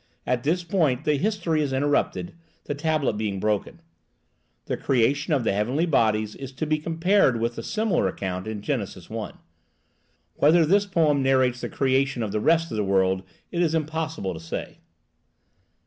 At this point the history is interrupted, the tablet being broken. The creation of the heavenly bodies is to be compared with the similar account in Gen. i.; whether this poem narrates the creation of the rest of the world it is impossible to say.